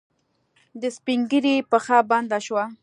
د سپينږيري پښه بنده شوه.